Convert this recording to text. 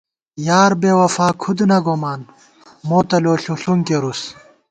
یار بېوَفا کھُد نہ گومان ، مو تہ لو ݪُݪُنگ کېرُس